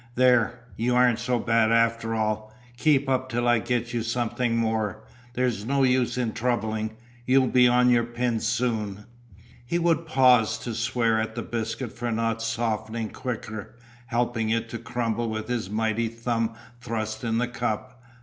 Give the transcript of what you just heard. "There. Y'aren't so bad after all keep up till I get you something more. There's no use in troubling you'll be on your pins soon." He would pause to swear at the biscuit for not softening quicker, helping it to crumble with his mighty thumb thrust in the cup.